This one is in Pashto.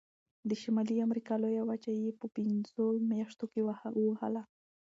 د شمالي امریکا لویه وچه یې په پنځو میاشتو کې ووهله.